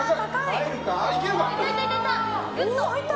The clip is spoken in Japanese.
入った！